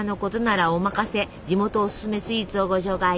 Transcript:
地元おすすめスイーツをご紹介！